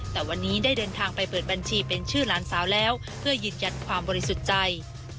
แต่วันนี้ได้เดินทางไปเปิดบัญชีเป็นชื่อหลานสาวแล้วเพื่อยืนยันความบริสุทธิ์ใจ